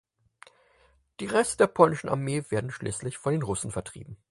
Die Reste der polnischen Armee werden schließlich von den Russen vertrieben.